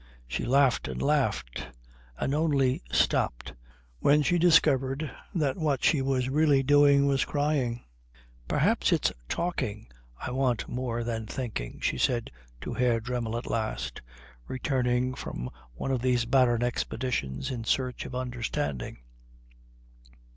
She laughed and laughed; and only stopped when she discovered that what she was really doing was crying. "Perhaps it's talking I want more than thinking," she said to Herr Dremmel at last, returning from one of these barren expeditions in search of understanding.